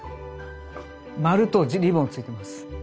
丸とリボンついてます。